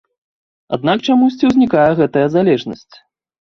Аднак чамусьці ўзнікае гэтая залежнасць.